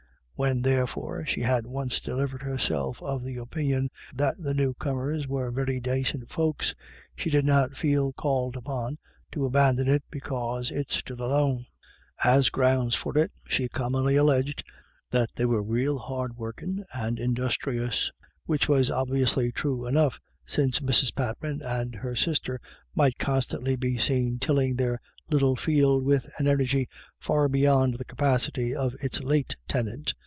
When, therefore, she had once delivered herself of the opinion that the new comers were " very dacint folks," she did not feel called upon to abandon it because it stood alone. As grounds for it she commonly alleged that they were " rael hard workin' and industhrious," which was obviously true enough, since Mrs. Patman and her sister might constantly be seen tilling their little field with an energy far beyond the capacity of its late tenant.